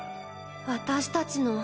私たちの。